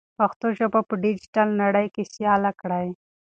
پښتو ژبه په ډیجیټل نړۍ کې سیاله کړئ.